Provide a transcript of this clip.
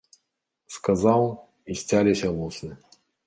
Сказаў, і сцяліся вусны.